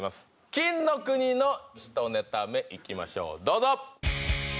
金の国の１ネタ目いきましょうどうぞ！